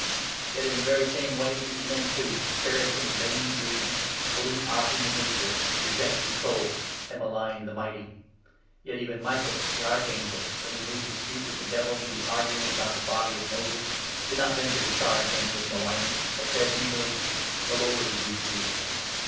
Yet in the very same way these men, too, cherishing vain 8 dreams, pollute our human nature, reject control, and malign the Mighty. Yet even Michael, the Archangel, when, 9 in his dispute with the Devil, he was arguing about the body of Moses, did not venture to charge him with maligning, but said merely ' The Lord rebuke you